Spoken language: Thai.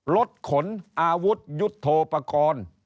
รถขนอาวุธยุทธโทปกรณ์